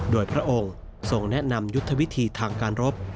โดยพระองค์ทรงแนะนำยุทธวิธีทางการรบ